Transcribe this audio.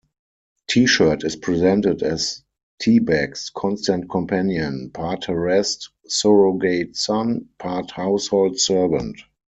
T-Shirt is presented as T-Bag's constant companion, part harassed surrogate son, part household servant.